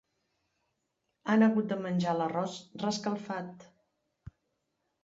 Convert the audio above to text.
Han hagut de menjar l'arròs reescalfat.